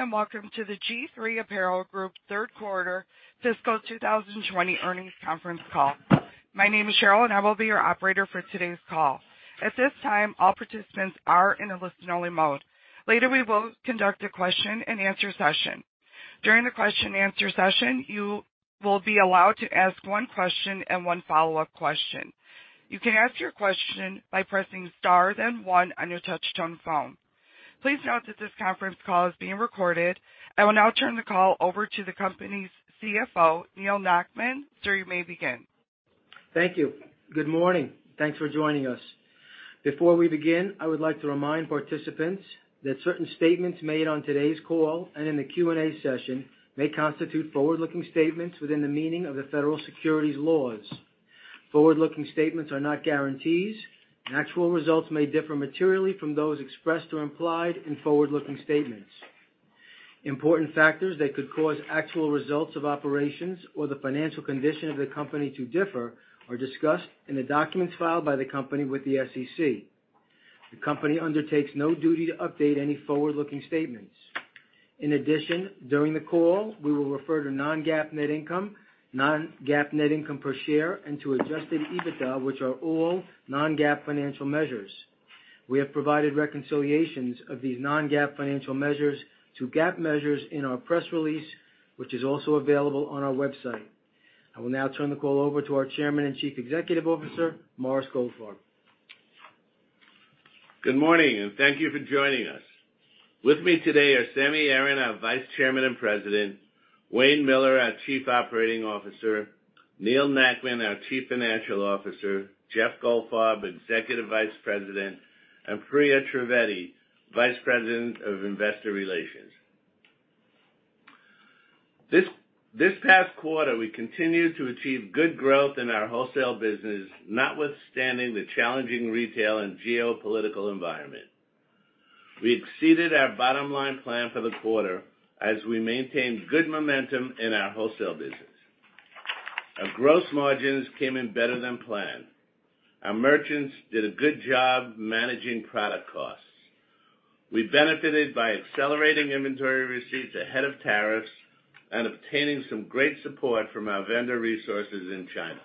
Hello, and welcome to the G-III Apparel Group third quarter fiscal 2020 earnings conference call. My name is Cheryl, and I will be your operator for today's call. At this time, all participants are in a listen-only mode. Later, we will conduct a question and answer session. During the question and answer session, you will be allowed to ask one question and one follow-up question. You can ask your question by pressing star then one on your touch-tone phone. Please note that this conference call is being recorded. I will now turn the call over to the company's CFO, Neal Nackman. Sir, you may begin. Thank you. Good morning. Thanks for joining us. Before I begin, I would like to remind participants that certain statements made on today's call and in the Q&A session may constitute forward-looking statements within the meaning of the federal securities laws. Forward-looking statements are not guarantees, and actual results may differ materially from those expressed or implied in forward-looking statements. Important factors that could cause actual results of operations or the financial condition of the company to differ are discussed in the documents filed by the company with the SEC. The company undertakes no duty to update any forward-looking statements. In addition, during the call, we will refer to non-GAAP net income, non-GAAP net income per share, and to adjusted EBITDA, which are all non-GAAP financial measures. We have provided reconciliations of these non-GAAP financial measures to GAAP measures in our press release, which is also available on our website. I will now turn the call over to our Chairman and Chief Executive Officer, Morris Goldfarb. Good morning, and thank you for joining us. With me today are Sammy Aaron, our Vice Chairman and President, Wayne Miller, our Chief Operating Officer, Neal Nackman, our Chief Financial Officer, Jeff Goldfarb, Executive Vice President, and Priya Trivedi, Vice President of Investor Relations. This past quarter, we continued to achieve good growth in our wholesale business, notwithstanding the challenging retail and geopolitical environment. We exceeded our bottom-line plan for the quarter as we maintained good momentum in our wholesale business. Our gross margins came in better than planned. Our merchants did a good job managing product costs. We benefited by accelerating inventory receipts ahead of tariffs and obtaining some great support from our vendor resources in China.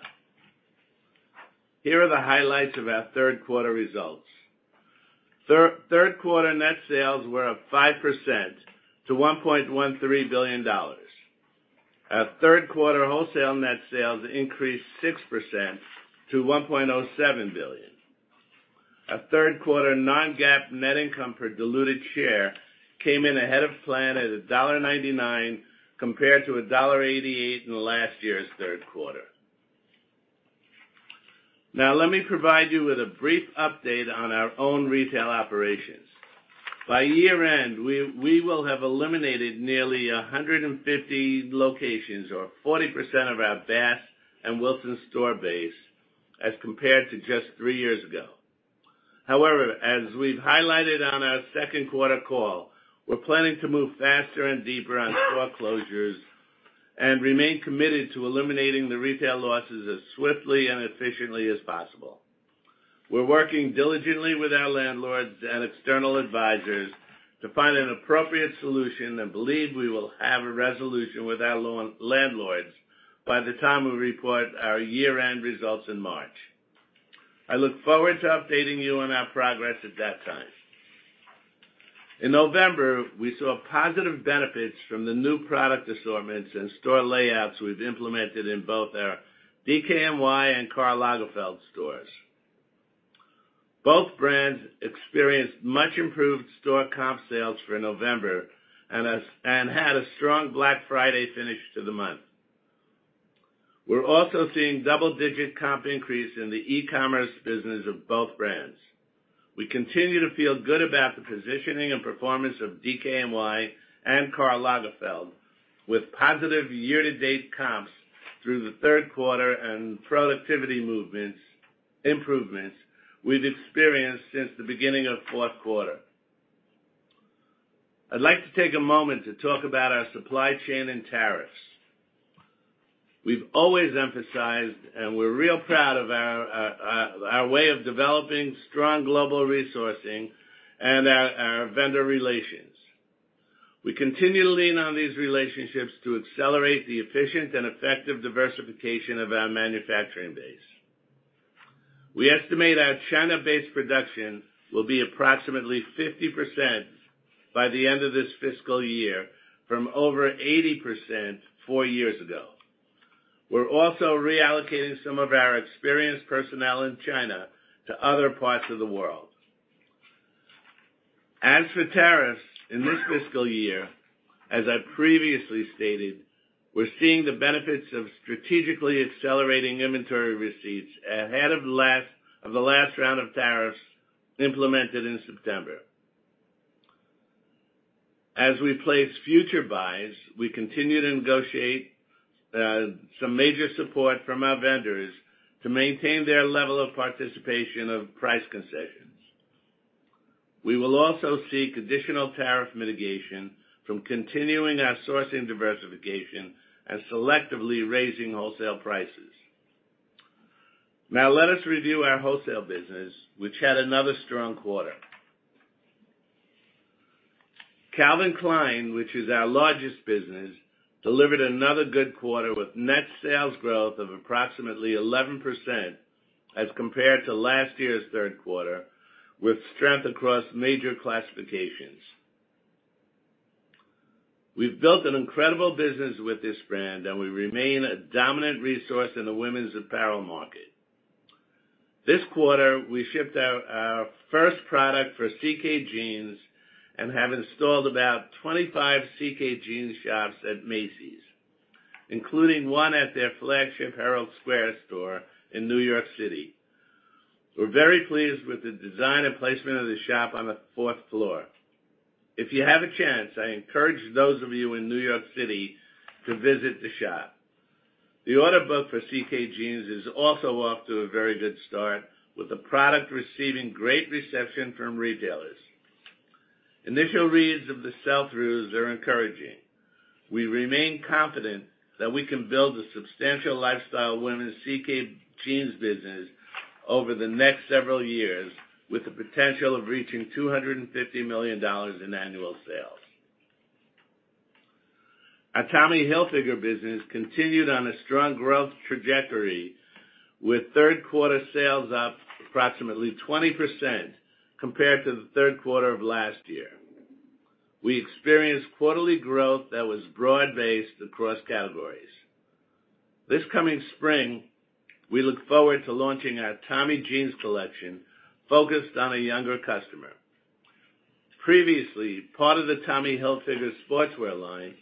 Here are the highlights of our third quarter results. Third quarter net sales were up 5% to $1.13 billion. Our third quarter wholesale net sales increased 6% to $1.07 billion. Our third quarter non-GAAP net income per diluted share came in ahead of plan at $1.99, compared to $1.88 in last year's third quarter. Let me provide you with a brief update on our own retail operations. By year-end, we will have eliminated nearly 150 locations, or 40% of our Bass and Wilsons store base as compared to just three years ago. As we've highlighted on our second quarter call, we're planning to move faster and deeper on store closures and remain committed to eliminating the retail losses as swiftly and efficiently as possible. We're working diligently with our landlords and external advisors to find an appropriate solution and believe we will have a resolution with our landlords by the time we report our year-end results in March. I look forward to updating you on our progress at that time. In November, we saw positive benefits from the new product assortments and store layouts we've implemented in both our DKNY and Karl Lagerfeld stores. Both brands experienced much-improved store comp sales for November and had a strong Black Friday finish to the month. We're also seeing double-digit comp increase in the e-commerce business of both brands. We continue to feel good about the positioning and performance of DKNY and Karl Lagerfeld, with positive year-to-date comps through the third quarter and productivity improvements we've experienced since the beginning of fourth quarter. I'd like to take a moment to talk about our supply chain and tariffs. We've always emphasized, and we're real proud of our way of developing strong global resourcing and our vendor relations. We continue to lean on these relationships to accelerate the efficient and effective diversification of our manufacturing base. We estimate our China-based production will be approximately 50% by the end of this fiscal year from over 80% four years ago. We are also reallocating some of our experienced personnel in China to other parts of the world. As for tariffs in this fiscal year, as I previously stated, we are seeing the benefits of strategically accelerating inventory receipts ahead of the last round of tariffs implemented in September. As we place future buys, we continue to negotiate some major support from our vendors to maintain their level of participation of price concessions. We will also seek additional tariff mitigation from continuing our sourcing diversification and selectively raising wholesale prices. Now let us review our wholesale business, which had another strong quarter. Calvin Klein, which is our largest business, delivered another good quarter with net sales growth of approximately 11% as compared to last year's third quarter, with strength across major classifications. We've built an incredible business with this brand, and we remain a dominant resource in the women's apparel market. This quarter, we shipped out our first product for CK Jeans, and have installed about 25 CK Jeans shops at Macy's, including one at their flagship Herald Square store in New York City. We're very pleased with the design and placement of the shop on the fourth floor. If you have a chance, I encourage those of you in New York City to visit the shop. The order book for CK Jeans is also off to a very good start, with the product receiving great reception from retailers. Initial reads of the sell-throughs are encouraging. We remain confident that we can build a substantial lifestyle women's CK Jeans business over the next several years, with the potential of reaching $250 million in annual sales. Our Tommy Hilfiger business continued on a strong growth trajectory with third quarter sales up approximately 20% compared to the third quarter of last year. We experienced quarterly growth that was broad-based across categories. This coming spring, we look forward to launching our Tommy Jeans collection focused on a younger customer. Previously part of the Tommy Hilfiger sportswear line,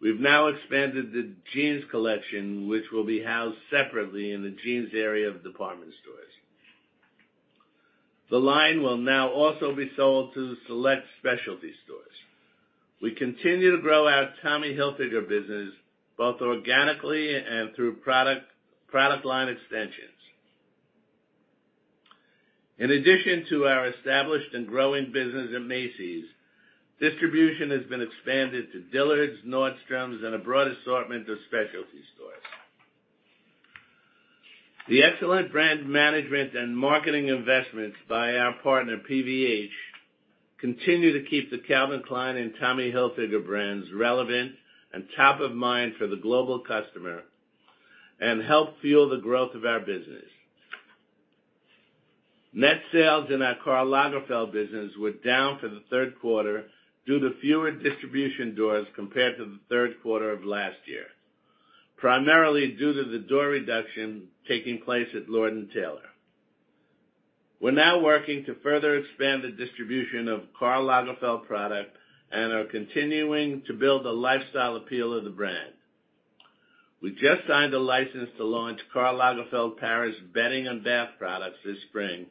we've now expanded the jeans collection, which will be housed separately in the jeans area of department stores. The line will now also be sold to the select specialty stores. We continue to grow our Tommy Hilfiger business both organically and through product line extensions. In addition to our established and growing business at Macy's, distribution has been expanded to Dillard's, Nordstrom, and a broad assortment of specialty stores. The excellent brand management and marketing investments by our partner, PVH, continue to keep the Calvin Klein and Tommy Hilfiger brands relevant and top of mind for the global customer, and help fuel the growth of our business. Net sales in our Karl Lagerfeld business were down for the third quarter due to fewer distribution doors compared to the third quarter of last year, primarily due to the door reduction taking place at Lord & Taylor. We're now working to further expand the distribution of Karl Lagerfeld product and are continuing to build the lifestyle appeal of the brand. We just signed a license to launch Karl Lagerfeld Paris bedding and bath products this spring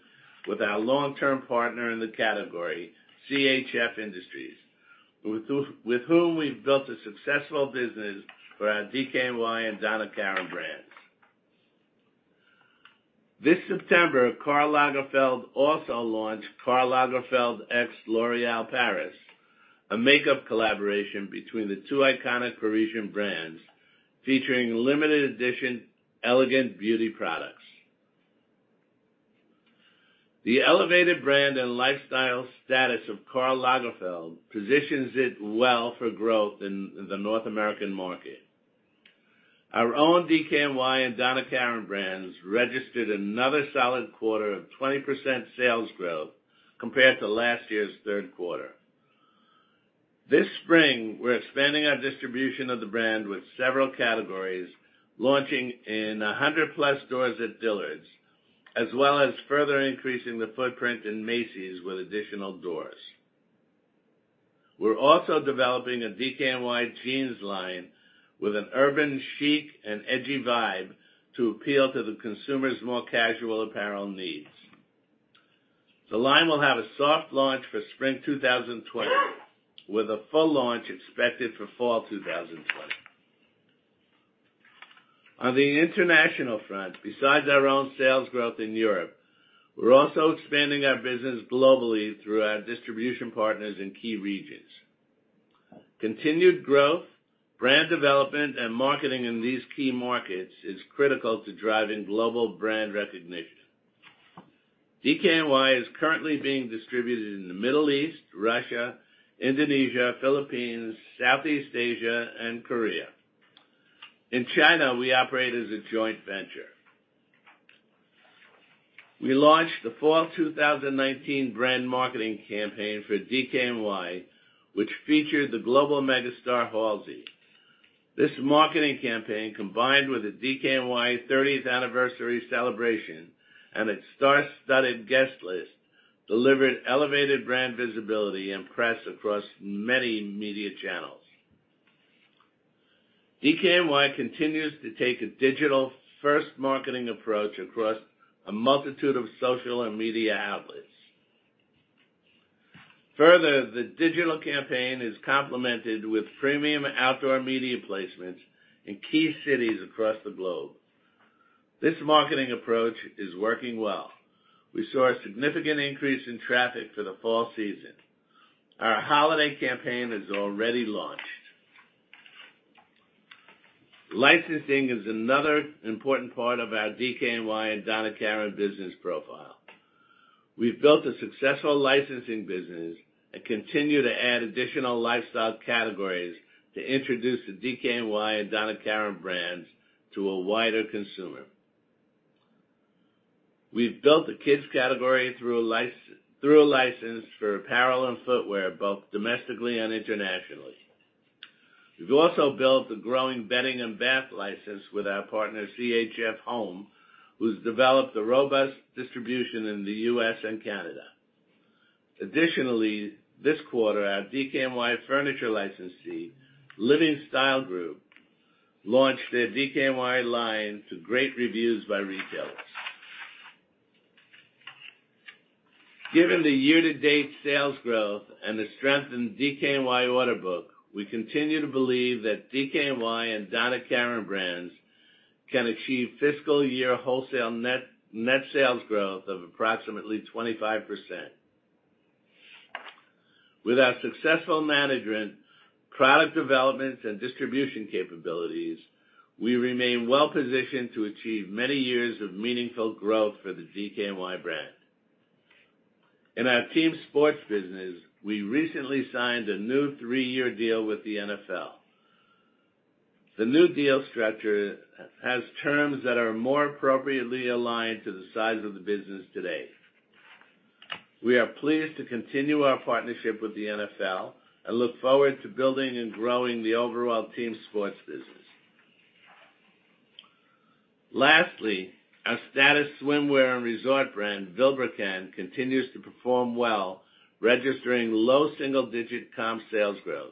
with our long-term partner in the category, CHF Industries, with whom we've built a successful business for our DKNY and Donna Karan brands. This September, Karl Lagerfeld also launched Karl Lagerfeld x L'Oréal Paris, a makeup collaboration between the two iconic Parisian brands featuring limited edition elegant beauty products. The elevated brand and lifestyle status of Karl Lagerfeld positions it well for growth in the North American market. Our own DKNY and Donna Karan brands registered another solid quarter of 20% sales growth compared to last year's third quarter. This spring, we're expanding our distribution of the brand with several categories launching in 100-plus doors at Dillard's, as well as further increasing the footprint in Macy's with additional doors. We're also developing a DKNY jeans line with an urban chic and edgy vibe to appeal to the consumer's more casual apparel needs. The line will have a soft launch for spring 2020, with a full launch expected for fall 2020. On the international front, besides our own sales growth in Europe, we're also expanding our business globally through our distribution partners in key regions. Continued growth, brand development, and marketing in these key markets is critical to driving global brand recognition. DKNY is currently being distributed in the Middle East, Russia, Indonesia, Philippines, Southeast Asia, and Korea. In China, we operate as a joint venture. We launched the fall 2019 brand marketing campaign for DKNY, which featured the global megastar, Halsey. This marketing campaign, combined with the DKNY 30th anniversary celebration and its star-studded guest list, delivered elevated brand visibility and press across many media channels. DKNY continues to take a digital-first marketing approach across a multitude of social and media outlets. Further, the digital campaign is complemented with premium outdoor media placements in key cities across the globe. This marketing approach is working well. We saw a significant increase in traffic for the fall season. Our holiday campaign has already launched. Licensing is another important part of our DKNY and Donna Karan business profile. We've built a successful licensing business and continue to add additional lifestyle categories to introduce the DKNY and Donna Karan brands to a wider consumer. We've built a kids category through a license for apparel and footwear, both domestically and internationally. We've also built the growing bedding and bath license with our partner, CHF Home, who's developed a robust distribution in the U.S. and Canada. Additionally, this quarter, our DKNY furniture licensee, Living Style Group, launched their DKNY line to great reviews by retailers. Given the year-to-date sales growth and the strength in DKNY order book, we continue to believe that DKNY and Donna Karan brands can achieve fiscal year wholesale net sales growth of approximately 25%. With our successful management, product development, and distribution capabilities, we remain well-positioned to achieve many years of meaningful growth for the DKNY brand. In our team sports business, we recently signed a new three-year deal with the NFL. The new deal structure has terms that are more appropriately aligned to the size of the business today. We are pleased to continue our partnership with the NFL and look forward to building and growing the overall team sports business. Lastly, our status swimwear and resort brand, Vilebrequin, continues to perform well, registering low single-digit comp sales growth.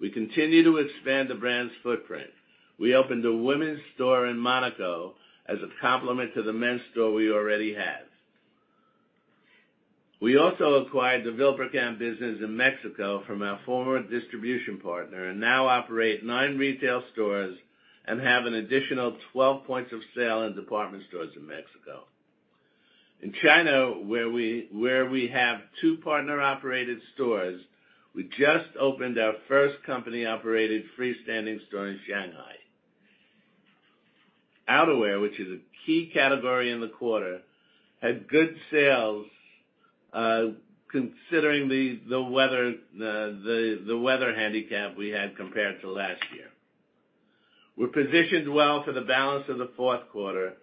We continue to expand the brand's footprint. We opened a women's store in Monaco as a complement to the men's store we already have. We also acquired the Vilebrequin business in Mexico from our former distribution partner and now operate nine retail stores and have an additional 12 points of sale in department stores in Mexico. In China, where we have two partner-operated stores, we just opened our first company-operated freestanding store in Shanghai. Outerwear, which is a key category in the quarter, had good sales, considering the weather handicap we had compared to last year. We're positioned well for the balance of the fourth quarter,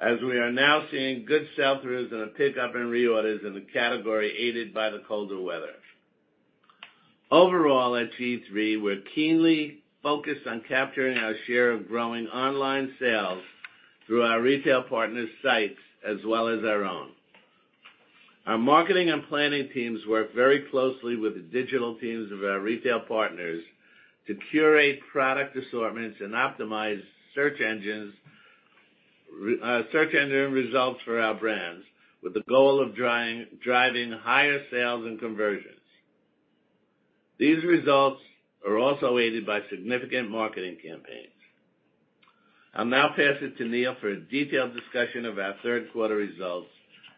as we are now seeing good sell-throughs and a pickup in reorders in the category aided by the colder weather. Overall, at G-III, we're keenly focused on capturing our share of growing online sales through our retail partners' sites, as well as our own. Our marketing and planning teams work very closely with the digital teams of our retail partners to curate product assortments and optimize search engine results for our brands, with the goal of driving higher sales and conversions. These results are also aided by significant marketing campaigns. I'll now pass it to Neal for a detailed discussion of our third quarter results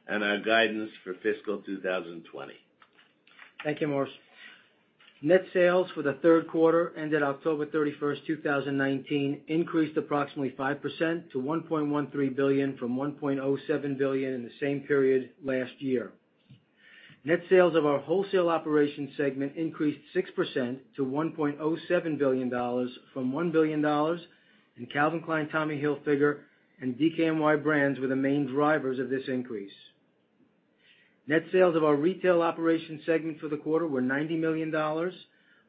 and our guidance for fiscal 2020. Thank you, Morris. Net sales for the third quarter ended October 31st, 2019, increased approximately 5% to $1.13 billion from $1.07 billion in the same period last year. Net sales of our wholesale operation segment increased 6% to $1.07 billion from $1 billion. Calvin Klein, Tommy Hilfiger, and DKNY brands were the main drivers of this increase. Net sales of our retail operation segment for the quarter were $90 million,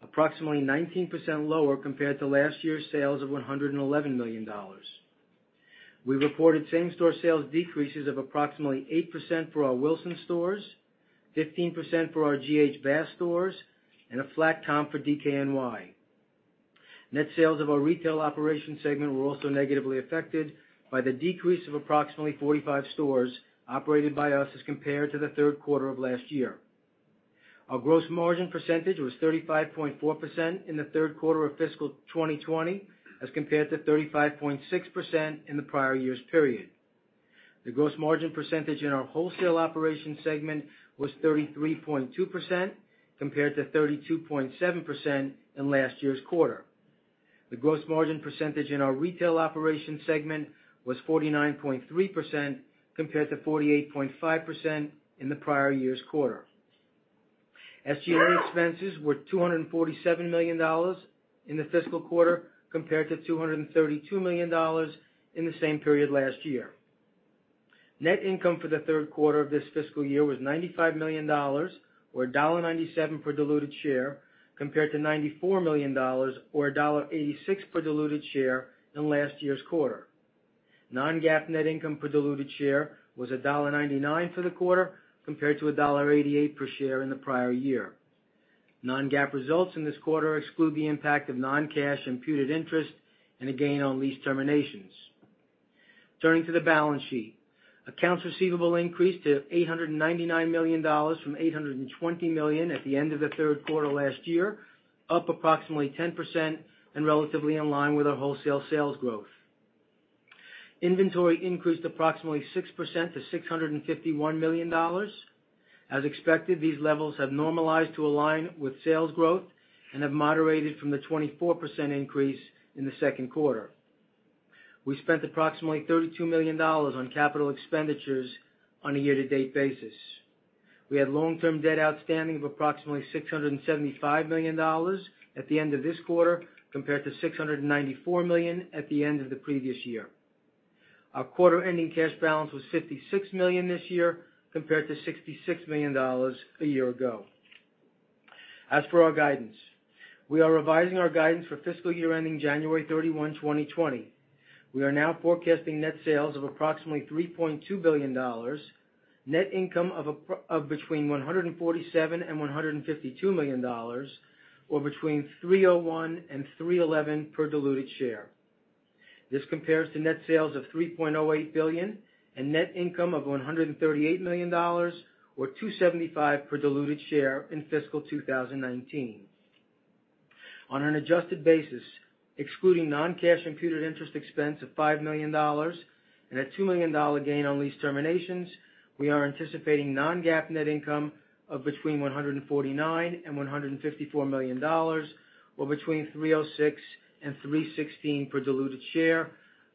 approximately 19% lower compared to last year's sales of $111 million. We reported same-store sales decreases of approximately 8% for our Wilsons stores, 15% for our G.H. Bass stores, and a flat comp for DKNY. Net sales of our retail operation segment were also negatively affected by the decrease of approximately 45 stores operated by us as compared to the third quarter of last year. Our gross margin percentage was 35.4% in the third quarter of fiscal 2020 as compared to 35.6% in the prior year's period. The gross margin percentage in our wholesale operation segment was 33.2% compared to 32.7% in last year's quarter. The gross margin percentage in our retail operation segment was 49.3% compared to 48.5% in the prior year's quarter. SG&A expenses were $247 million in the fiscal quarter, compared to $232 million in the same period last year. Net income for the third quarter of this fiscal year was $95 million, or $1.97 per diluted share, compared to $94 million, or $1.86 per diluted share in last year's quarter. Non-GAAP net income per diluted share was $1.99 for the quarter, compared to $1.88 per share in the prior year. Non-GAAP results in this quarter exclude the impact of non-cash imputed interest and a gain on lease terminations. Turning to the balance sheet. Accounts receivable increased to $899 million from $820 million at the end of the third quarter last year, up approximately 10% and relatively in line with our wholesale sales growth. Inventory increased approximately 6% to $651 million. As expected, these levels have normalized to align with sales growth and have moderated from the 24% increase in the second quarter. We spent approximately $32 million on capital expenditures on a year-to-date basis. We had long-term debt outstanding of approximately $675 million at the end of this quarter, compared to $694 million at the end of the previous year. Our quarter-ending cash balance was $56 million this year, compared to $66 million a year ago. As for our guidance, we are revising our guidance for fiscal year ending January 31, 2020. We are now forecasting net sales of approximately $3.2 billion, net income of between $147 million and $152 million, or between $3.01 and $3.11 per diluted share. This compares to net sales of $3.08 billion and net income of $138 million, or $2.75 per diluted share in fiscal 2019. On an adjusted basis, excluding non-cash imputed interest expense of $5 million and a $2 million gain on lease terminations, we are anticipating non-GAAP net income of between $149 million and $154 million, or between $3.06 and $3.16 per diluted share,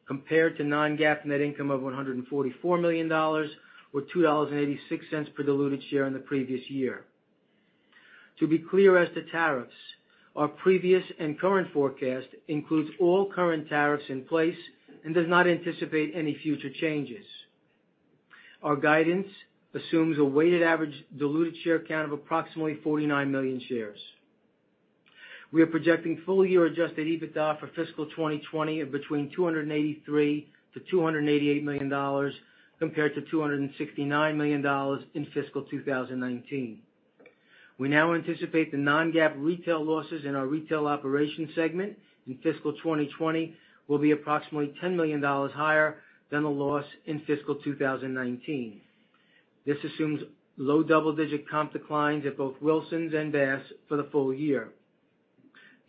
compared to non-GAAP net income of $144 million or $2.86 per diluted share in the previous year. To be clear as to tariffs, our previous and current forecast includes all current tariffs in place and does not anticipate any future changes. Our guidance assumes a weighted average diluted share count of approximately 49 million shares. We are projecting full-year adjusted EBITDA for fiscal 2020 of between $283 million-$288 million, compared to $269 million in fiscal 2019. We now anticipate the non-GAAP retail losses in our retail operation segment in fiscal 2020 will be approximately $10 million higher than the loss in fiscal 2019. This assumes low double-digit comp declines at both Wilsons and Bass for the full year.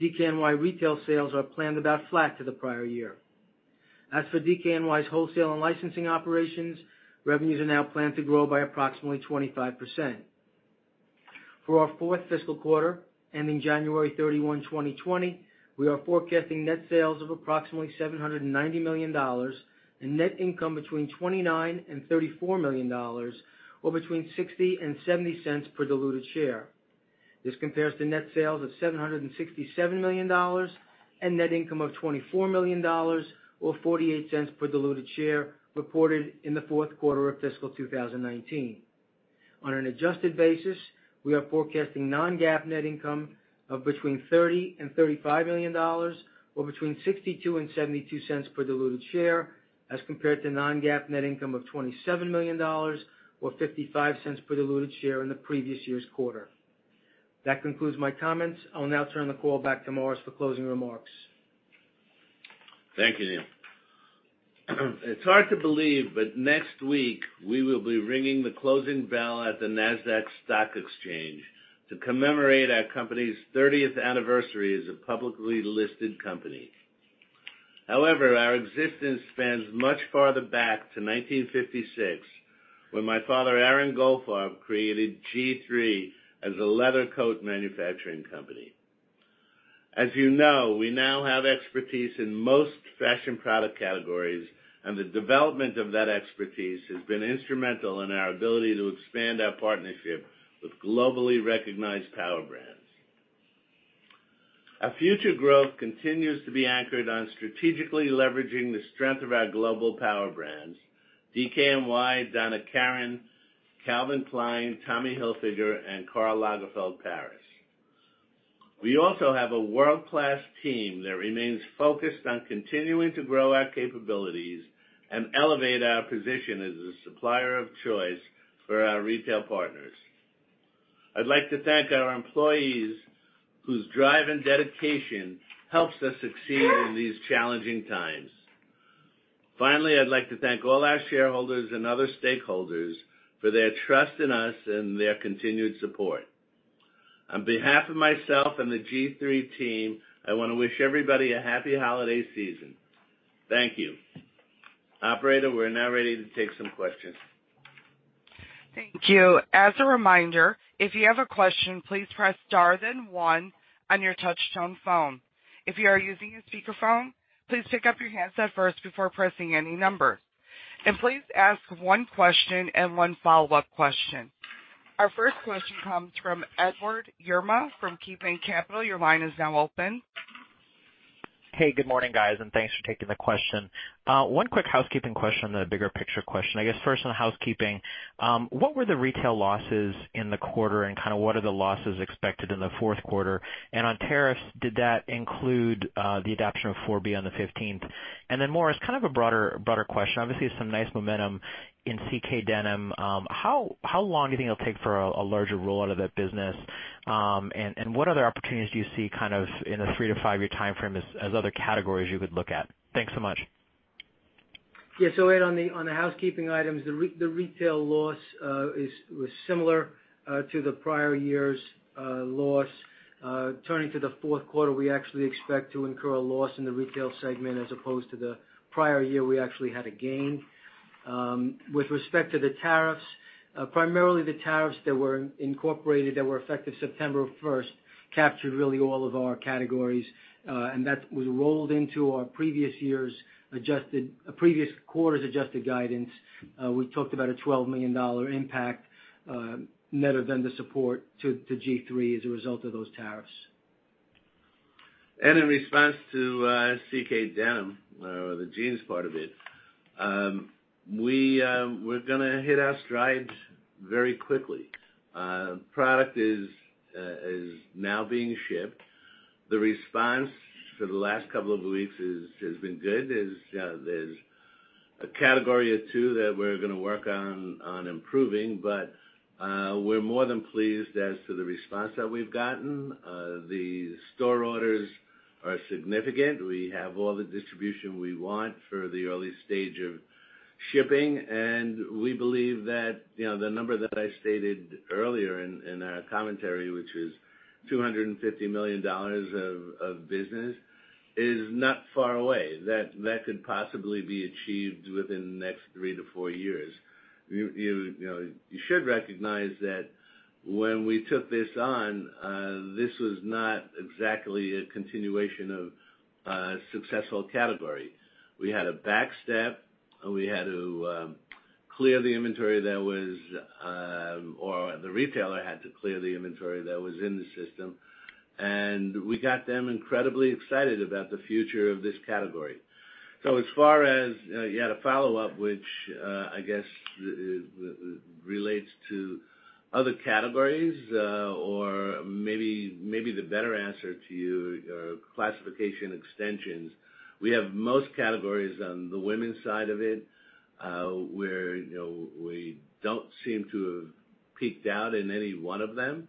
DKNY retail sales are planned about flat to the prior year. As for DKNY's wholesale and licensing operations, revenues are now planned to grow by approximately 25%. For our fourth fiscal quarter ending January 31, 2020, we are forecasting net sales of approximately $790 million and net income between $29 million and $34 million, or between $0.60 and $0.70 per diluted share. This compares to net sales of $767 million and net income of $24 million or $0.48 per diluted share reported in the fourth quarter of fiscal 2019. On an adjusted basis, we are forecasting non-GAAP net income of between $30 million and $35 million, or between $0.62 and $0.72 per diluted share, as compared to non-GAAP net income of $27 million or $0.55 per diluted share in the previous year's quarter. That concludes my comments. I'll now turn the call back to Morris for closing remarks. Thank you, Neal. It's hard to believe, next week we will be ringing the closing bell at the Nasdaq Stock Market to commemorate our company's 30th anniversary as a publicly listed company. However, our existence spans much farther back to 1956, when my father, Aron Goldfarb, created G-III as a leather coat manufacturing company. As you know, we now have expertise in most fashion product categories, and the development of that expertise has been instrumental in our ability to expand our partnership with globally recognized power brands. Our future growth continues to be anchored on strategically leveraging the strength of our global power brands, DKNY, Donna Karan, Calvin Klein, Tommy Hilfiger, and Karl Lagerfeld Paris. We also have a world-class team that remains focused on continuing to grow our capabilities and elevate our position as a supplier of choice for our retail partners. I'd like to thank our employees whose drive and dedication helps us succeed in these challenging times. Finally, I'd like to thank all our shareholders and other stakeholders for their trust in us and their continued support. On behalf of myself and the G-III team, I want to wish everybody a happy holiday season. Thank you. Operator, we're now ready to take some questions. Thank you. As a reminder, if you have a question, please press star then one on your touch-tone phone. If you are using a speakerphone, please pick up your handset first before pressing any numbers. Please ask one question and one follow-up question. Our first question comes from Edward Yruma from KeyBanc Capital. Your line is now open. Good morning, guys, thanks for taking the question. One quick housekeeping question, a bigger picture question. I guess first on the housekeeping, what were the retail losses in the quarter, and what are the losses expected in the fourth quarter? On tariffs, did that include the adoption of 4 on the 15th? Morris Goldfarb, kind of a broader question. Obviously, some nice momentum in CK Jeans. How long do you think it'll take for a larger roll-out of that business? What other opportunities do you see in the three to five-year timeframe as other categories you could look at? Thanks so much. Ed, on the housekeeping items, the retail loss was similar to the prior year's loss. Turning to the fourth quarter, we actually expect to incur a loss in the retail segment as opposed to the prior year, we actually had a gain. With respect to the tariffs, primarily the tariffs that were incorporated, that were effective September 1st, captured really all of our categories. That was rolled into our previous quarter's adjusted guidance. We talked about a $12 million impact, net of vendor support to G-III as a result of those tariffs. In response to CK denim, or the jeans part of it, we're going to hit our stride very quickly. Product is now being shipped. The response for the last couple of weeks has been good. There's a category or 2 that we're going to work on improving, but we're more than pleased as to the response that we've gotten. The store orders are significant. We have all the distribution we want for the early stage of shipping, and we believe that the number that I stated earlier in our commentary, which is $250 million of business, is not far away. That could possibly be achieved within the next three to four years. You should recognize that when we took this on, this was not exactly a continuation of a successful category. We had a back step. We had to clear the inventory or the retailer had to clear the inventory that was in the system. We got them incredibly excited about the future of this category. As far as you had a follow-up, which I guess relates to other categories, or maybe the better answer to you are classification extensions. We have most categories on the women's side of it, where we don't seem to have peaked out in any one of them.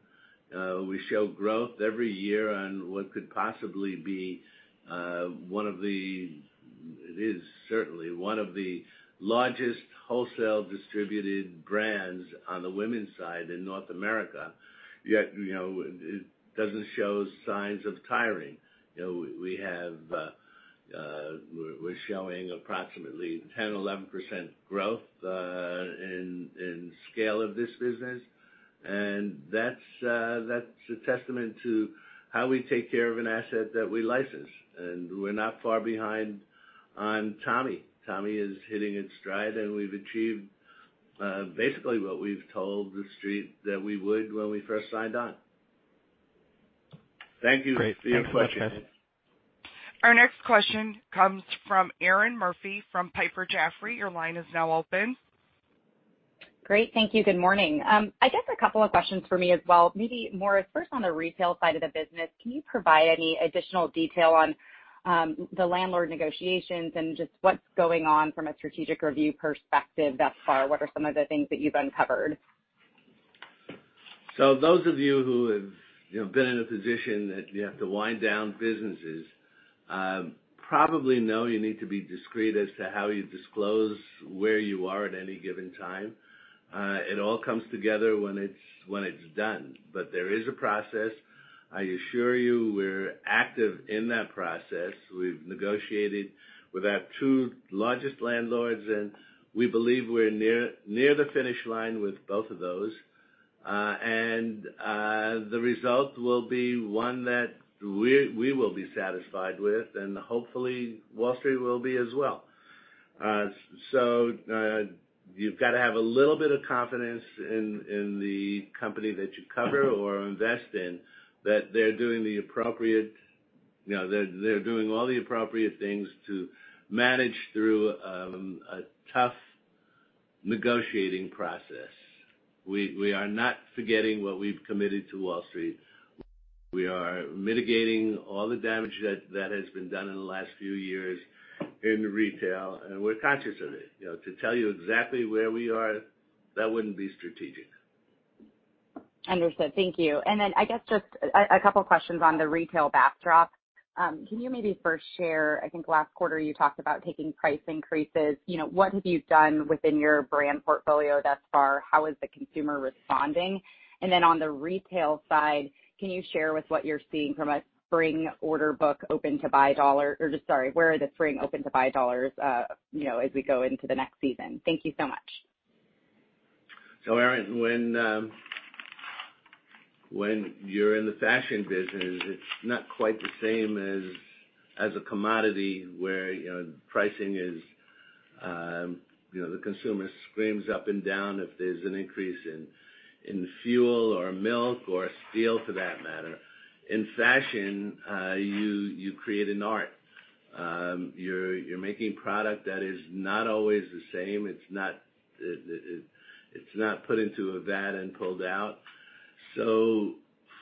We show growth every year on what could possibly be. It is certainly one of the largest wholesale distributed brands on the women's side in North America, yet it doesn't show signs of tiring. We're showing approximately 10%, 11% growth in scale of this business. That's a testament to how we take care of an asset that we license. We're not far behind on Tommy. Tommy is hitting its stride, and we've achieved basically what we've told the Street that we would when we first signed on. Thank you for your question. Great. Thanks, Chris. Our next question comes from Erinn Murphy from Piper Jaffray. Your line is now open. Great. Thank you. Good morning. I guess a couple of questions from me as well. Maybe more first on the retail side of the business, can you provide any additional detail on the landlord negotiations and just what's going on from a strategic review perspective thus far? What are some of the things that you've uncovered? Those of you who have been in a position that you have to wind down businesses probably know you need to be discreet as to how you disclose where you are at any given time. It all comes together when it's done. There is a process. I assure you, we're active in that process. We've negotiated with our two largest landlords, and we believe we're near the finish line with both of those. The result will be one that we will be satisfied with, and hopefully Wall Street will be as well. You've got to have a little bit of confidence in the company that you cover or invest in, that they're doing all the appropriate things to manage through a tough negotiating process. We are not forgetting what we've committed to Wall Street. We are mitigating all the damage that has been done in the last few years in retail, and we're conscious of it. To tell you exactly where we are, that wouldn't be strategic. Understood. Thank you. I guess just a couple of questions on the retail backdrop. Can you maybe first share, I think last quarter you talked about taking price increases. What have you done within your brand portfolio thus far? How is the consumer responding? On the retail side, can you share with what you're seeing from a spring order book open-to-buy, where are the spring open-to-buy dollars as we go into the next season? Thank you so much. Erinn, when you're in the fashion business, it's not quite the same as a commodity where pricing is, the consumer screams up and down if there's an increase in fuel or milk or steel for that matter. In fashion, you create an art. You're making product that is not always the same. It's not put into a vat and pulled out.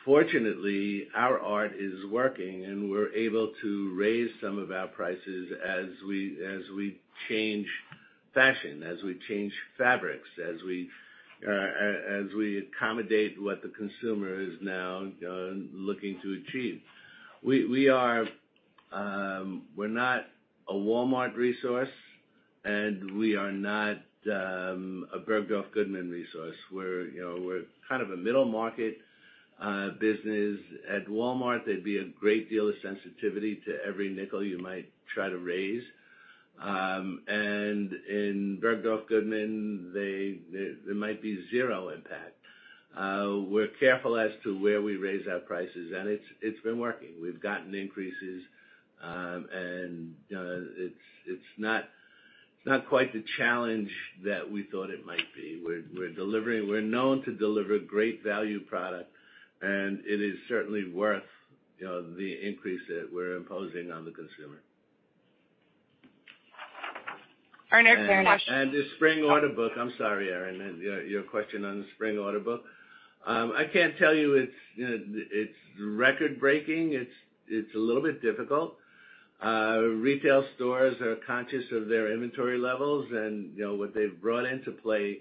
fortunately, our art is working, and we're able to raise some of our prices as we change fashion, as we change fabrics, as we accommodate what the consumer is now looking to achieve. We're not a Walmart resource, and we are not a Bergdorf Goodman resource. We're kind of a middle-market business. At Walmart, there'd be a great deal of sensitivity to every nickel you might try to raise. in Bergdorf Goodman, there might be zero impact. We're careful as to where we raise our prices, and it's been working. We've gotten increases, and it's not quite the challenge that we thought it might be. We're known to deliver great value product, and it is certainly worth the increase that we're imposing on the consumer. Our next question- I'm sorry, Erinn, your question on the spring order book. I can't tell you it's record-breaking. It's a little bit difficult. Retail stores are conscious of their inventory levels, and what they've brought into play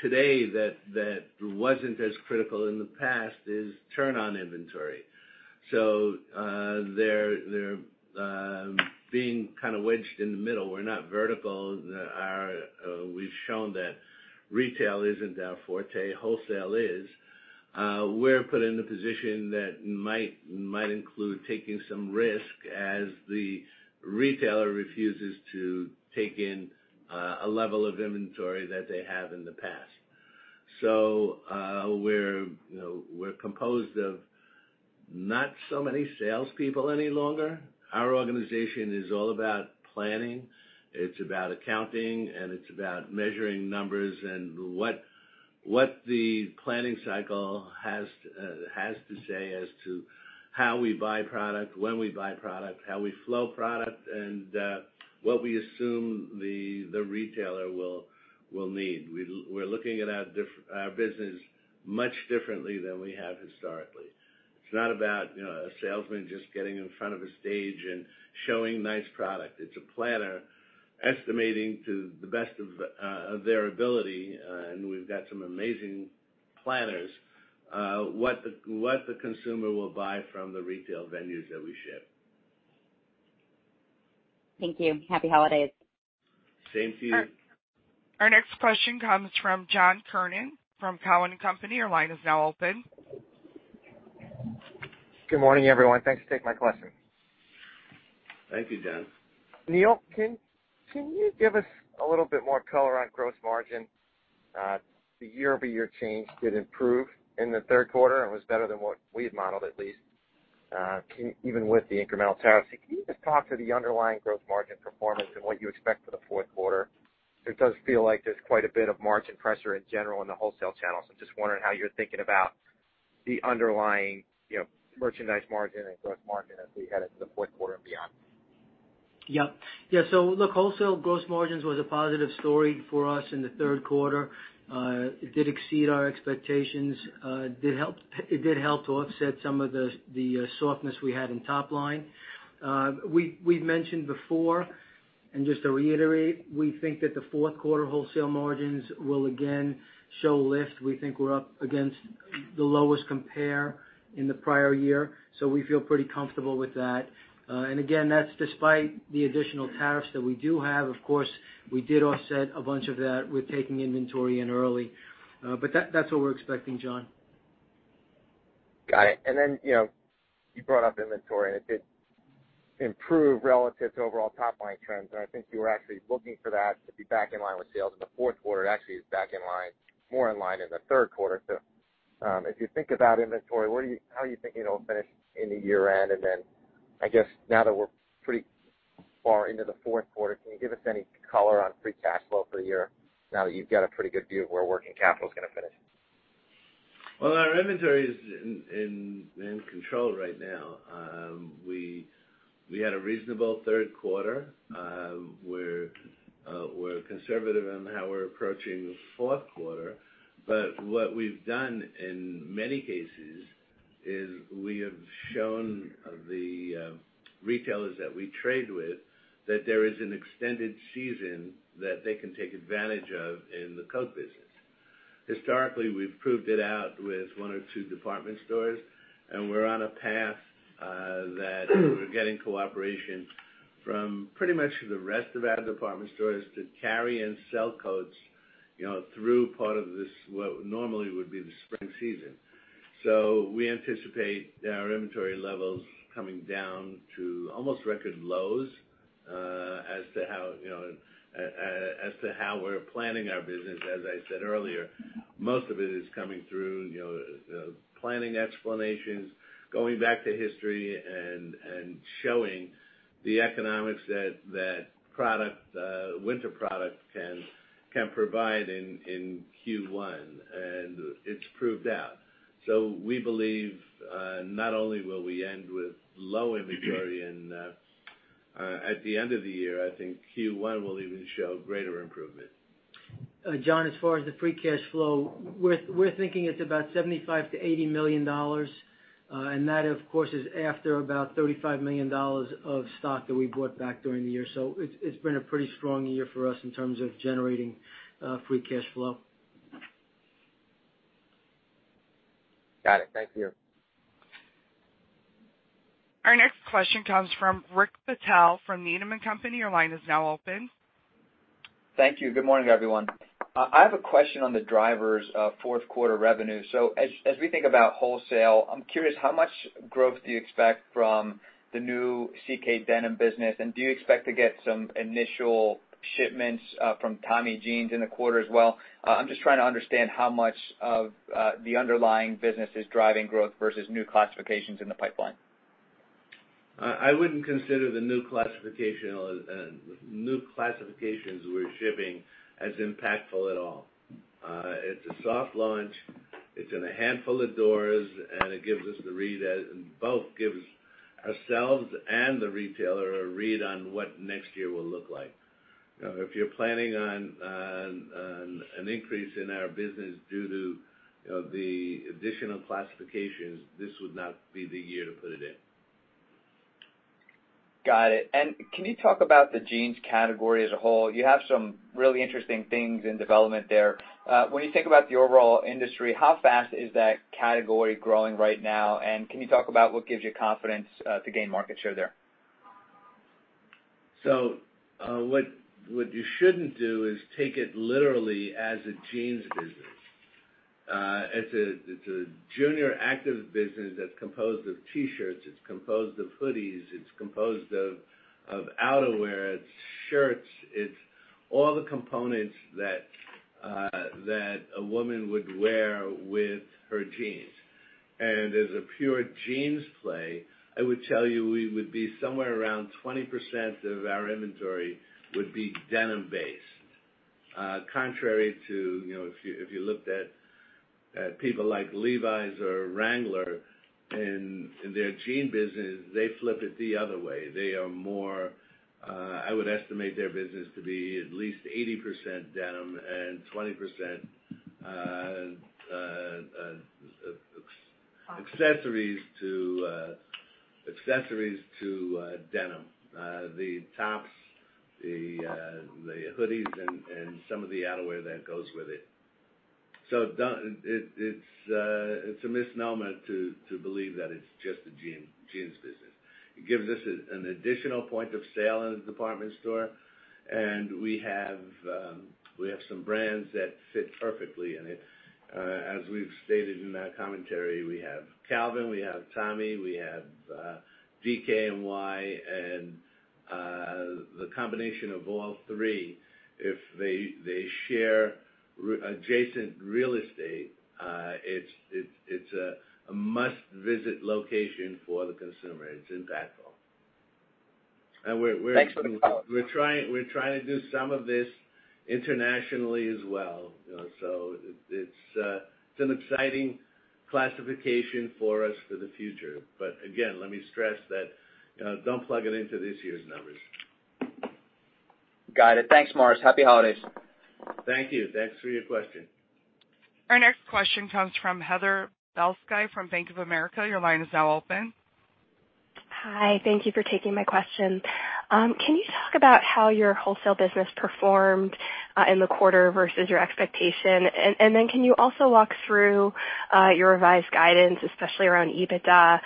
today that wasn't as critical in the past is turn-on inventory. They're being kind of wedged in the middle. We're not vertical. We've shown that retail isn't our forte. Wholesale is. We're put in the position that might include taking some risk as the retailer refuses to take in a level of inventory that they have in the past. We're composed of not so many salespeople any longer. Our organization is all about planning. It's about accounting, it's about measuring numbers and what the planning cycle has to say as to how we buy product, when we buy product, how we flow product, and what we assume the retailer will need. We're looking at our business much differently than we have historically. It's not about a salesman just getting in front of a stage and showing nice product. It's a planner estimating to the best of their ability, and we've got some amazing planners, what the consumer will buy from the retail venues that we ship. Thank you. Happy holidays. Same to you. Our next question comes from John Kernan from Cowen and Company. Your line is now open. Good morning, everyone. Thanks for taking my question. Thank you, John. Neal, can you give us a little bit more color on gross margin? The year-over-year change did improve in the third quarter and was better than what we had modeled, at least, even with the incremental tariffs. Can you just talk to the underlying gross margin performance and what you expect for the fourth quarter? It does feel like there's quite a bit of margin pressure in general in the wholesale channels. I'm just wondering how you're thinking about the underlying merchandise margin and gross margin as we head into the fourth quarter and beyond. Yeah. Look, wholesale gross margins was a positive story for us in the third quarter. It did exceed our expectations. It did help to offset some of the softness we had in top line. We've mentioned before, and just to reiterate, we think that the fourth quarter wholesale margins will again show lift. We think we're up against the lowest compare in the prior year, so we feel pretty comfortable with that. Again, that's despite the additional tariffs that we do have. Of course, we did offset a bunch of that with taking inventory in early. That's what we're expecting, John. Got it. You brought up inventory, and it did improve relative to overall top-line trends, and I think you were actually looking for that to be back in line with sales in the fourth quarter. It actually is back in line, more in line in the third quarter. If you think about inventory, how are you thinking it'll finish in the year end? I guess now that we're pretty far into the fourth quarter, can you give us any color on free cash flow for the year now that you've got a pretty good view of where working capital is going to finish? Our inventory is in control right now. We had a reasonable third quarter. We're conservative on how we're approaching the fourth quarter. What we've done in many cases is we have shown the retailers that we trade with that there is an extended season that they can take advantage of in the coat business. Historically, we've proved it out with one or two department stores, and we're on a path that we're getting cooperation from pretty much the rest of our department stores to carry and sell coats through part of what normally would be the spring season. We anticipate our inventory levels coming down to almost record lows as to how we're planning our business. As I said earlier, most of it is coming through planning explanations, going back to history, and showing the economics that winter product can provide in Q1, and it's proved out. We believe not only will we end with low inventory at the end of the year, I think Q1 will even show greater improvement. John, as far as the free cash flow, we're thinking it's about $75 million-$80 million. That, of course, is after about $35 million of stock that we bought back during the year. It's been a pretty strong year for us in terms of generating free cash flow. Got it. Thank you. Our next question comes from Rick Patel from Needham and Company. Your line is now open. Thank you. Good morning, everyone. I have a question on the drivers of fourth quarter revenue. As we think about wholesale, I'm curious how much growth do you expect from the new CK Jeans, and do you expect to get some initial shipments from Tommy Jeans in the quarter as well? I'm just trying to understand how much of the underlying business is driving growth versus new classifications in the pipeline. I wouldn't consider the new classifications we're shipping as impactful at all. It's a soft launch. It's in a handful of doors, and it both gives ourselves and the retailer a read on what next year will look like. If you're planning on an increase in our business due to the additional classifications, this would not be the year to put it in. Got it. Can you talk about the jeans category as a whole? You have some really interesting things in development there. When you think about the overall industry, how fast is that category growing right now? Can you talk about what gives you confidence to gain market share there? What you shouldn't do is take it literally as a jeans business. It's a junior active business that's composed of T-shirts, it's composed of hoodies, it's composed of outerwear, it's shirts. It's all the components that a woman would wear with her jeans. As a pure jeans play, I would tell you, somewhere around 20% of our inventory would be denim based. Contrary to if you looked at people like Levi's or Wrangler in their jean business, they flip it the other way. I would estimate their business to be at least 80% denim and 20% accessories to denim. The tops, the hoodies, and some of the outerwear that goes with it. It's a misnomer to believe that it's just a jeans business. It gives us an additional point of sale in the department store, and we have some brands that fit perfectly in it. As we've stated in our commentary, we have Calvin, we have Tommy, we have DKNY. The combination of all three, if they share adjacent real estate, it's a must-visit location for the consumer. It's impactful. Thanks for the call. We're trying to do some of this internationally as well. It's an exciting classification for us for the future. Again, let me stress that don't plug it into this year's numbers. Got it. Thanks, Morris. Happy holidays. Thank you. Thanks for your question. Our next question comes from Heather Balsky from Bank of America. Your line is now open. Hi. Thank you for taking my question. Can you talk about how your wholesale business performed in the quarter versus your expectation? Can you also walk through your revised guidance, especially around EBITDA?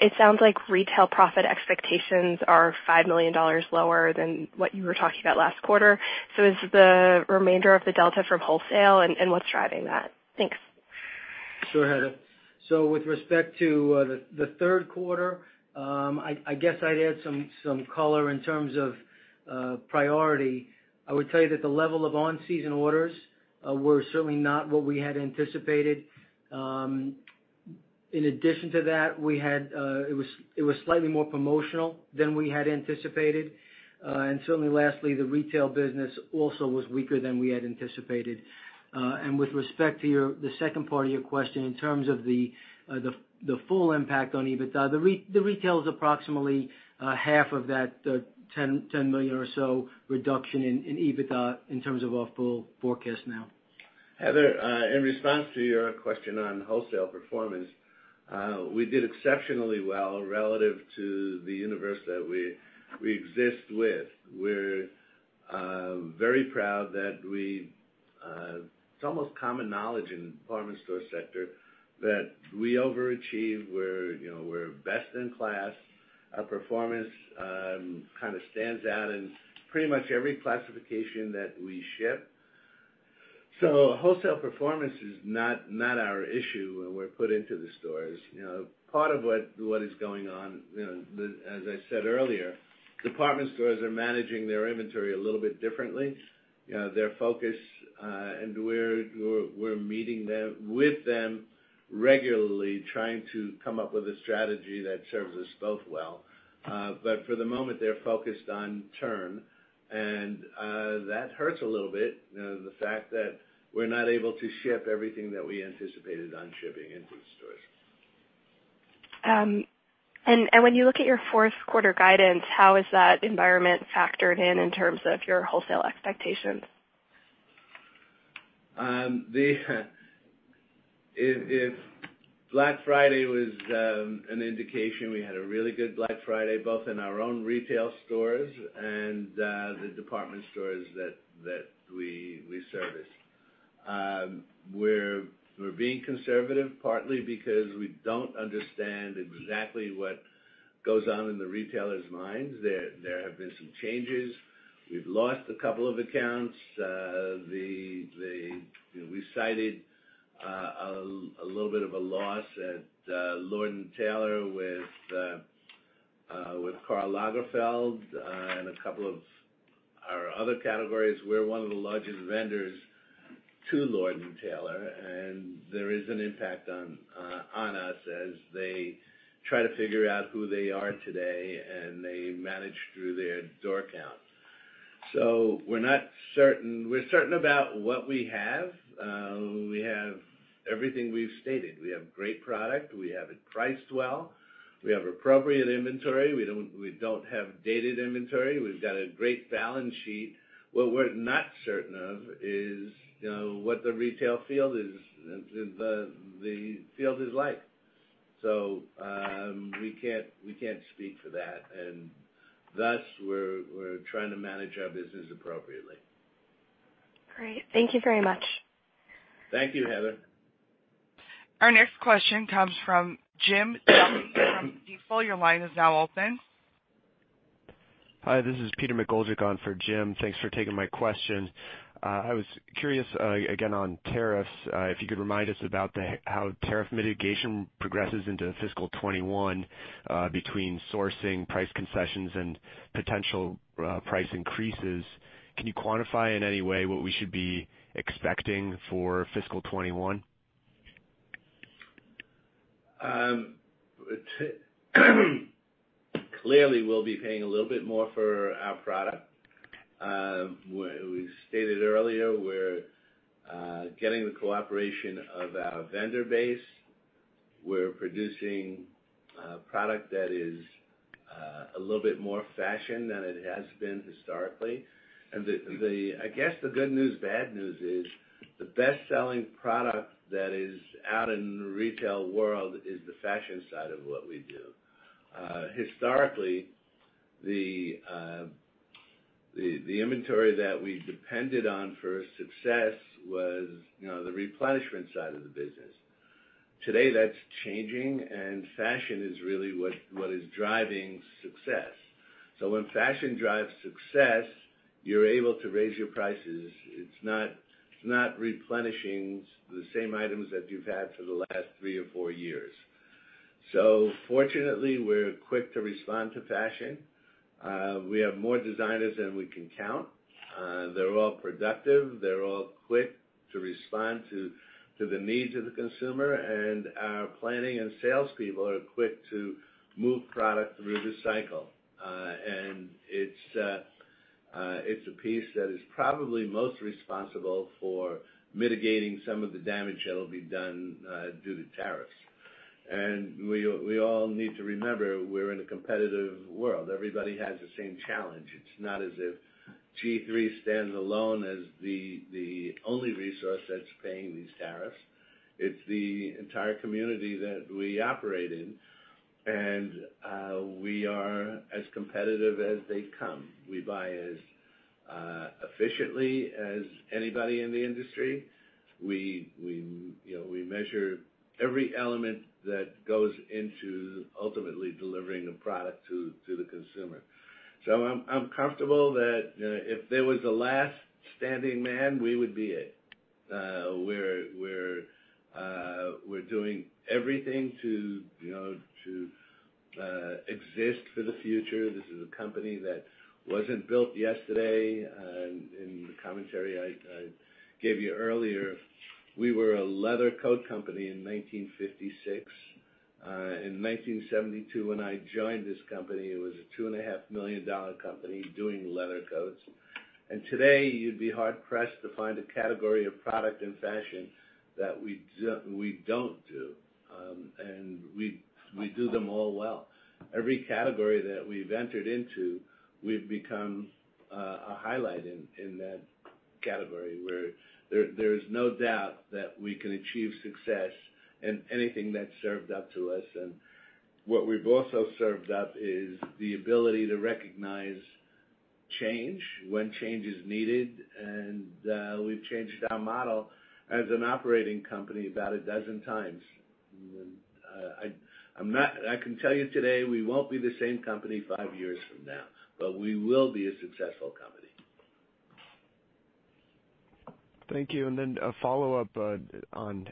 It sounds like retail profit expectations are $5 million lower than what you were talking about last quarter. Is the remainder of the delta from wholesale, and what's driving that? Thanks. Sure, Heather. With respect to the third quarter, I guess I'd add some color in terms of priority. I would tell you that the level of on-season orders were certainly not what we had anticipated. In addition to that, it was slightly more promotional than we had anticipated. Certainly lastly, the retail business also was weaker than we had anticipated. With respect to the second part of your question in terms of the full impact on EBITDA, the retail is approximately half of that, the $10 million or so reduction in EBITDA in terms of our full forecast now. Heather, in response to your question on wholesale performance, we did exceptionally well relative to the universe that we exist with. We're very proud that it's almost common knowledge in the department store sector that we overachieve. We're best in class. Our performance kind of stands out in pretty much every classification that we ship. Wholesale performance is not our issue when we're put into the stores. Part of what is going on, as I said earlier, department stores are managing their inventory a little bit differently. Their focus, and we're meeting with them regularly trying to come up with a strategy that serves us both well. For the moment, they're focused on turn, and that hurts a little bit, the fact that we're not able to ship everything that we anticipated on shipping into the stores. When you look at your fourth quarter guidance, how is that environment factored in in terms of your wholesale expectations? If Black Friday was an indication, we had a really good Black Friday, both in our own retail stores and the department stores that we service. We're being conservative partly because we don't understand exactly what goes on in the retailers' minds. There have been some changes. We've lost a couple of accounts. We cited a little bit of a loss at Lord & Taylor with Karl Lagerfeld and a couple of our other categories. We're one of the largest vendors to Lord & Taylor. There is an impact on us as they try to figure out who they are today. They manage through their door count. We're not certain. We're certain about what we have. We have everything we've stated. We have great product. We have it priced well. We have appropriate inventory. We don't have dated inventory. We've got a great balance sheet. What we're not certain of is what the retail field is like. We can't speak for that, and thus, we're trying to manage our business appropriately. Great. Thank you very much. Thank you, Heather. Our next question comes from Jim Duffy from Stifel. Your line is now open. Hi, this is Peter McGoldrick on for Jim. Thanks for taking my question. I was curious, again, on tariffs. If you could remind us about how tariff mitigation progresses into fiscal 2021, between sourcing price concessions and potential price increases. Can you quantify in any way what we should be expecting for fiscal 2021? Clearly, we'll be paying a little bit more for our product. We stated earlier we're getting the cooperation of our vendor base. We're producing a product that is a little bit more fashion than it has been historically. I guess the good news, bad news is the best-selling product that is out in the retail world is the fashion side of what we do. Historically, the inventory that we depended on for success was the replenishment side of the business. Today, that's changing, and fashion is really what is driving success. When fashion drives success, you're able to raise your prices. It's not replenishing the same items that you've had for the last three or four years. Fortunately, we're quick to respond to fashion. We have more designers than we can count. They're all productive. They're all quick to respond to the needs of the consumer, and our planning and sales people are quick to move product through the cycle. It's a piece that is probably most responsible for mitigating some of the damage that'll be done due to tariffs. We all need to remember, we're in a competitive world. Everybody has the same challenge. It's not as if G-III stands alone as the only resource that's paying these tariffs. It's the entire community that we operate in, and we are as competitive as they come. We buy as efficiently as anybody in the industry. We measure every element that goes into ultimately delivering a product to the consumer. I'm comfortable that if there was a last standing man, we would be it. We're doing everything to exist for the future. This is a company that wasn't built yesterday. In the commentary I gave you earlier, we were a leather coat company in 1956. In 1972, when I joined this company, it was a $2.5 million company doing leather coats. Today, you'd be hard-pressed to find a category of product in fashion that we don't do. We do them all well. Every category that we've entered into, we've become a highlight in that category, where there is no doubt that we can achieve success in anything that's served up to us. What we've also served up is the ability to recognize change when change is needed, and we've changed our model as an operating company about a dozen times. I can tell you today we won't be the same company five years from now, but we will be a successful company. Thank you. A follow-up on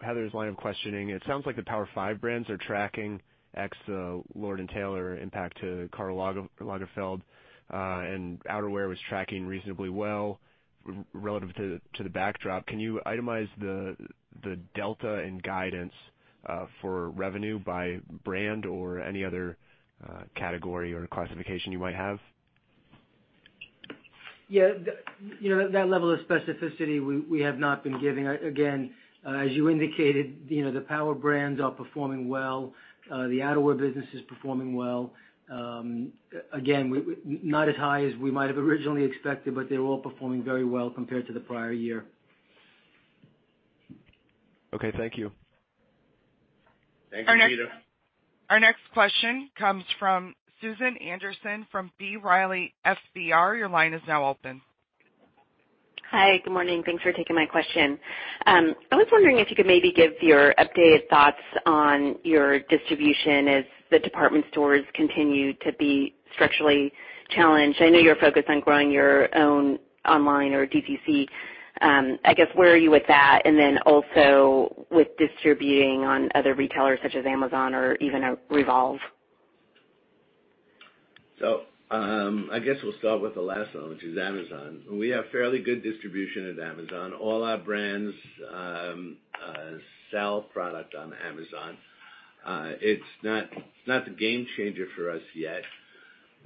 Heather's line of questioning. It sounds like the Power Five brands are tracking ex Lord & Taylor impact to Karl Lagerfeld, and outerwear was tracking reasonably well relative to the backdrop. Can you itemize the delta in guidance for revenue by brand or any other category or classification you might have? Yeah. That level of specificity, we have not been giving. Again, as you indicated, the Power Five brands are performing well. The outerwear business is performing well. Again, not as high as we might have originally expected, but they're all performing very well compared to the prior year. Okay. Thank you. Thank you, Peter. Our next question comes from Susan Anderson from B. Riley FBR. Your line is now open. Hi. Good morning. Thanks for taking my question. I was wondering if you could maybe give your updated thoughts on your distribution as the department stores continue to be structurally challenged. I know you're focused on growing your own online or DTC. I guess, where are you with that? Also with distributing on other retailers such as Amazon or even REVOLVE? I guess we'll start with the last one, which is Amazon. We have fairly good distribution at Amazon. All our brands sell product on Amazon. It's not the game changer for us yet.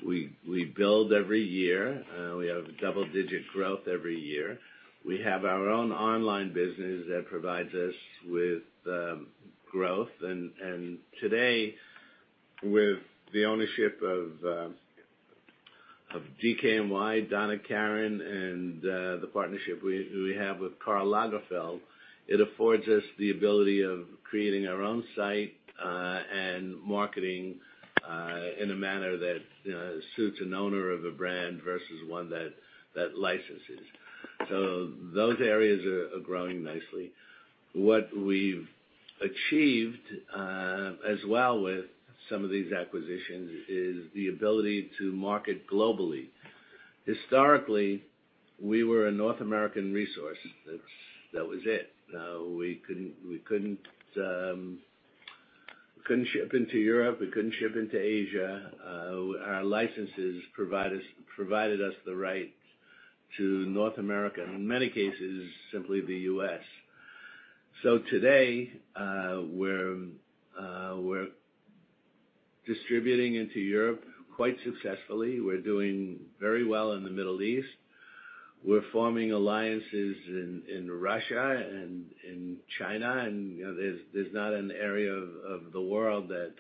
We build every year. We have double-digit growth every year. We have our own online business that provides us with growth. Today, with the ownership of DKNY, Donna Karan, and the partnership we have with Karl Lagerfeld, it affords us the ability of creating our own site, and marketing in a manner that suits an owner of a brand versus one that licenses. Those areas are growing nicely. What we've achieved as well with some of these acquisitions is the ability to market globally. Historically, we were a North American resource. That was it. We couldn't ship into Europe. We couldn't ship into Asia. Our licenses provided us the right to North America. In many cases, simply the U.S. Today, we're distributing into Europe quite successfully. We're doing very well in the Middle East. We're forming alliances in Russia and in China. There's not an area of the world that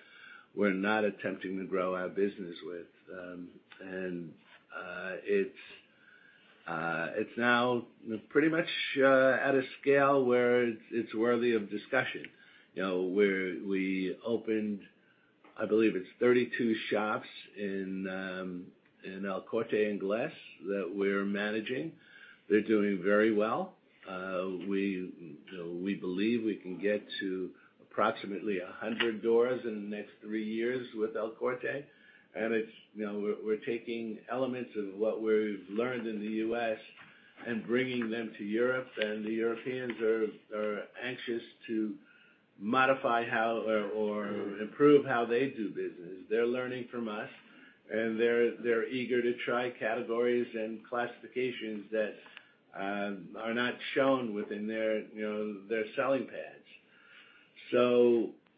we're not attempting to grow our business with. It's now pretty much at a scale where it's worthy of discussion. We opened, I believe it's 32 shops in El Corte Inglés that we're managing. They're doing very well. We believe we can get to approximately 100 doors in the next three years with El Corte. We're taking elements of what we've learned in the U.S. and bringing them to Europe. The Europeans are anxious to modify or improve how they do business. They're learning from us. They're eager to try categories and classifications that are not shown within their selling pads.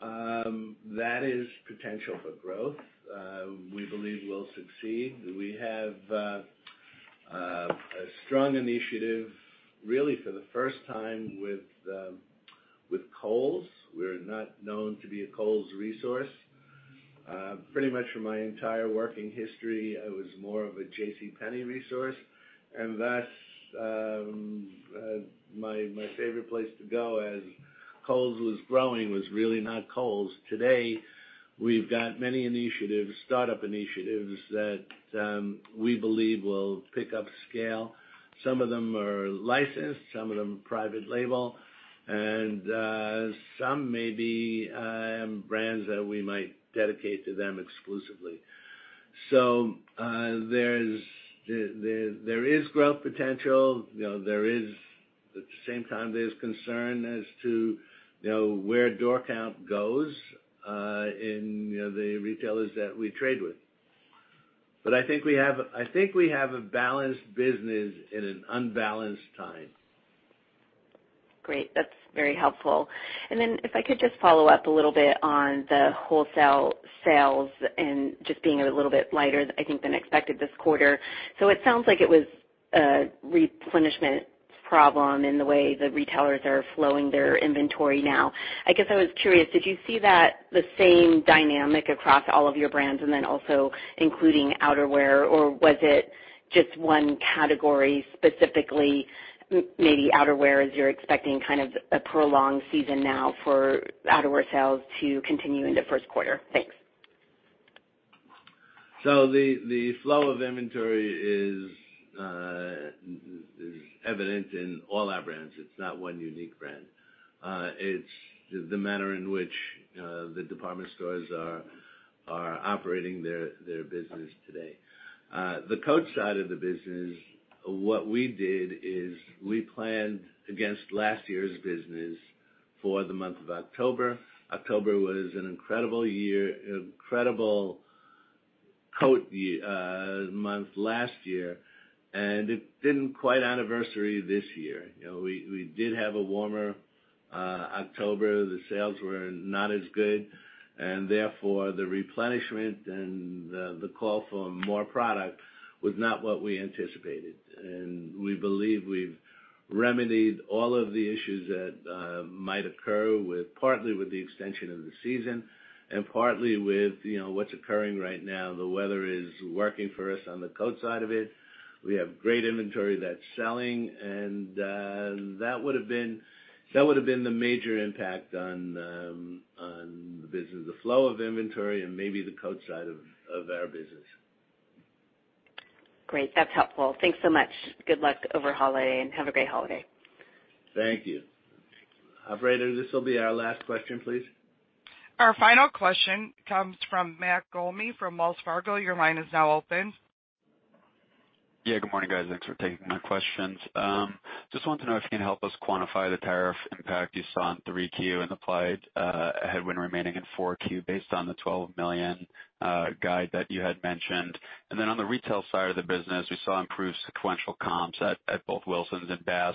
That is potential for growth. We believe we'll succeed. We have a strong initiative, really for the first time, with Kohl's. We're not known to be a Kohl's resource. Pretty much for my entire working history, I was more of a JCPenney resource, and thus, my favorite place to go as Kohl's was growing was really not Kohl's. Today, we've got many initiatives, startup initiatives, that we believe will pick up scale. Some of them are licensed, some of them private label, and some may be brands that we might dedicate to them exclusively. There is growth potential. At the same time, there's concern as to where door count goes in the retailers that we trade with. I think we have a balanced business in an unbalanced time. Great. That's very helpful. Then if I could just follow up a little bit on the wholesale sales and just being a little bit lighter, I think, than expected this quarter. It sounds like it was a replenishment problem in the way the retailers are flowing their inventory now. I guess I was curious, did you see the same dynamic across all of your brands and then also including outerwear, or was it just one category specifically, maybe outerwear, as you're expecting kind of a prolonged season now for outerwear sales to continue into first quarter? Thanks. The flow of inventory is evident in all our brands. It's not one unique brand. It's the manner in which the department stores are operating their business today. The coat side of the business, what we did is we planned against last year's business for the month of October. October was an incredible coat month last year, and it didn't quite anniversary this year. We did have a warmer October. The sales were not as good, and therefore the replenishment and the call for more product was not what we anticipated. We believe we've remedied all of the issues that might occur partly with the extension of the season and partly with what's occurring right now. The weather is working for us on the coat side of it. We have great inventory that's selling, and that would've been the major impact on the business, the flow of inventory and maybe the coat side of our business. Great. That's helpful. Thanks so much. Good luck over holiday, and have a great holiday. Thank you. Operator, this will be our last question, please. Our final question comes from Matthew Gulmi from Wells Fargo. Your line is now open. Yeah. Good morning, guys. Thanks for taking my questions. Just wanted to know if you can help us quantify the tariff impact you saw in 3Q and applied, headwind remaining in 4Q based on the $12 million guide that you had mentioned. On the retail side of the business, we saw improved sequential comps at both Wilsons and Bass.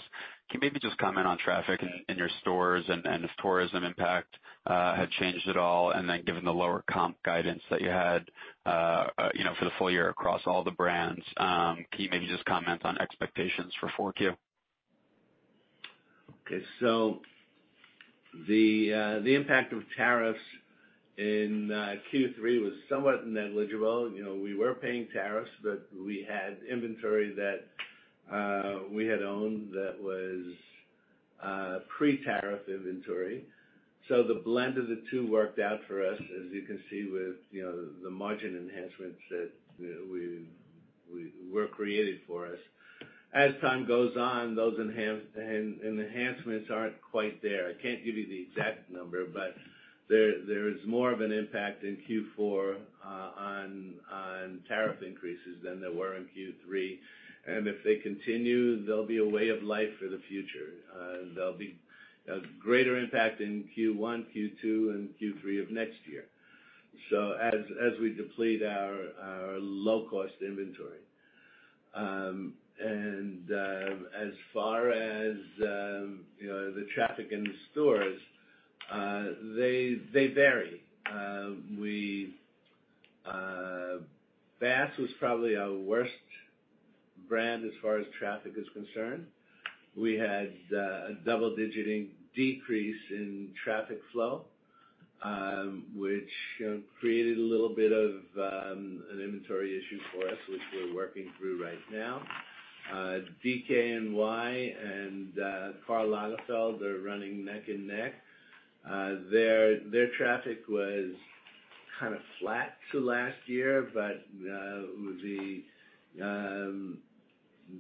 Can you maybe just comment on traffic in your stores and if tourism impact had changed at all? Given the lower comp guidance that you had for the full year across all the brands, can you maybe just comment on expectations for 4Q? Okay. The impact of tariffs in Q3 was somewhat negligible. We were paying tariffs, we had inventory that we had owned that was pre-tariff inventory. The blend of the two worked out for us, as you can see with the margin enhancements that were created for us. As time goes on, those enhancements aren't quite there. I can't give you the exact number, but there is more of an impact in Q4 on tariff increases than there were in Q3. If they continue, they'll be a way of life for the future. There'll be a greater impact in Q1, Q2, and Q3 of next year as we deplete our low-cost inventory. As far as the traffic in the stores, they vary. Bass was probably our worst brand as far as traffic is concerned. We had a double-digit decrease in traffic flow, which created a little bit of an inventory issue for us, which we're working through right now. DKNY and Karl Lagerfeld are running neck and neck. Their traffic was kind of flat to last year.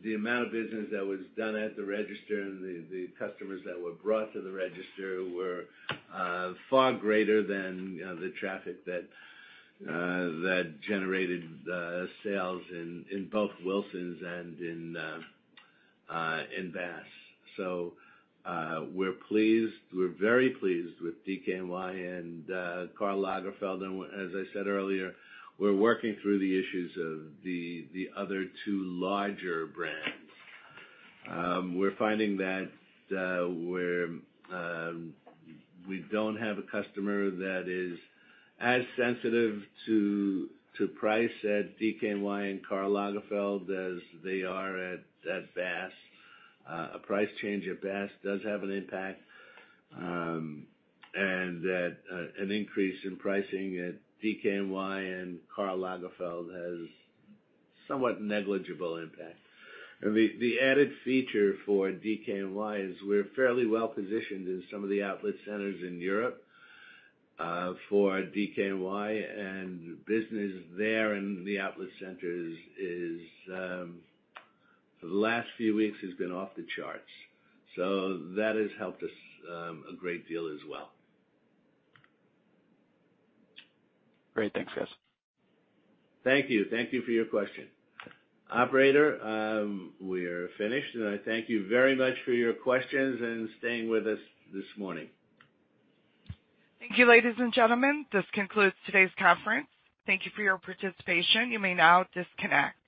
The amount of business that was done at the register and the customers that were brought to the register were far greater than the traffic that generated the sales in both Wilsons and in Bass. We're very pleased with DKNY and Karl Lagerfeld. As I said earlier, we're working through the issues of the other two larger brands. We're finding that we don't have a customer that is as sensitive to price at DKNY and Karl Lagerfeld as they are at Bass. A price change at Bass does have an impact, and that an increase in pricing at DKNY and Karl Lagerfeld has somewhat negligible impact. The added feature for DKNY is we're fairly well positioned in some of the outlet centers in Europe for DKNY, and business there in the outlet centers for the last few weeks has been off the charts. That has helped us a great deal as well. Great. Thanks, guys. Thank you. Thank you for your question. Operator, we're finished, and I thank you very much for your questions and staying with us this morning. Thank you, ladies and gentlemen. This concludes today's conference. Thank you for your participation. You may now disconnect.